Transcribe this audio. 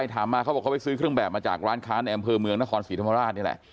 ถามมาเขาบอกเขาไปซื้อเครื่องแบบมาจากร้านค้าในอำเภอเมืองนครศรีธรรมราชนี่แหละ